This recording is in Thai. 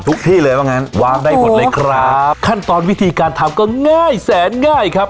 ที่เลยว่างั้นวางได้หมดเลยครับขั้นตอนวิธีการทำก็ง่ายแสนง่ายครับ